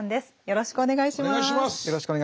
よろしくお願いします。